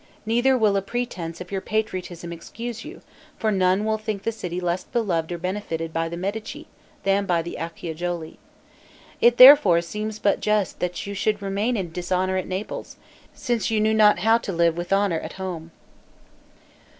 Neither will a pretense of your patriotism excuse you, for none will think the city less beloved or benefited by the Medici, than by the Acciajuoli. It, therefore, seems but just, that you should remain in dishonor at Naples, since you knew not how to live with honor at home."